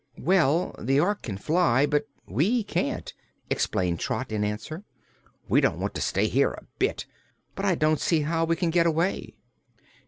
"Well, the Ork can fly, but we can't," explained Trot, in answer. "We don't want to stay here a bit, but I don't see how we can get away."